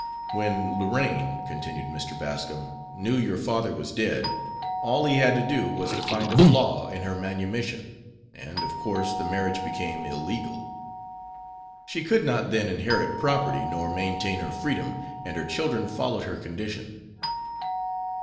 "When Lorraine," continued Mr. Bascom, "knew your father was dead, all he had to do was to find a flaw in her manumission, and, of course, the marriage became illegal. She could not then inherit property nor maintain her freedom; and her children followed her condition."